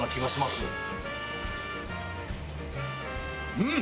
うん！